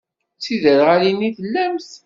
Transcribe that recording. D tiderɣalin i tellamt?